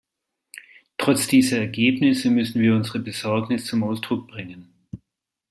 Trotz dieser Ergebnisse müssen wir unsere Besorgnis zum Ausdruck bringen.